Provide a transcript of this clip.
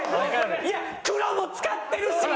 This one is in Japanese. いや黒も使ってるし。